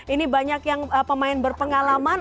ini banyak yang pemain berpengalaman